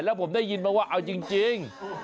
แล้วผมได้ยินมาว่าเอาจริง